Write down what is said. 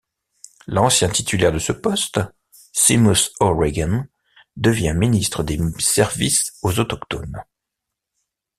L'ancien titulaire de ce poste, Seamus O'Regan, devient ministre des Services aux Autochtones.